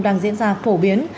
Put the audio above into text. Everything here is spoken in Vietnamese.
đang diễn ra phổ biến